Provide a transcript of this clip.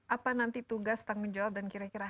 apa nanti tugas tanggung jawab dan kira kira